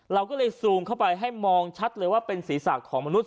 เราก็เลยซูมเข้าไปให้มองชัดเลยว่าเป็นศีรษะของมนุษย